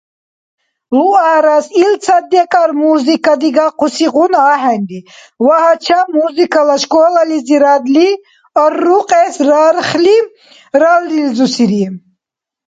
Луарас илцад-декӀар музыка дигусигъуна ахӀенри ва гьачам музыкала школализирадли аррукьес рархли ралризурсири.